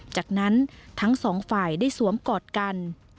จากนั้นทั้งสองฝ่ายได้สวมกอดกัน